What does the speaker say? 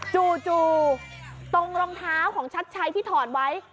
จู่ตรงรองเท้าของชัดชัยที่ถอดไว้